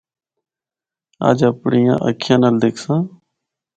اجّ اپنڑیا اکھّیاں نال دِکھساں۔